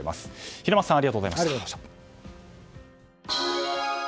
平松さんありがとうございました。